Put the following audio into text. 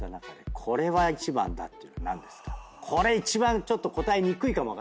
これ一番ちょっと答えにくいかもわかんない。